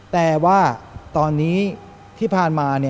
แต่ว่าตอนนี้ที่ผ่านมา